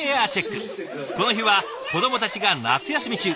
この日は子どもたちが夏休み中。